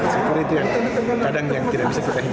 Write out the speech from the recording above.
seperti itu ya kadang yang tidak bisa kita hindari